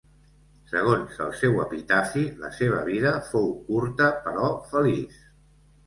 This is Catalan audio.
Segons el seu epitafi la seva vida fou curta, però feliç.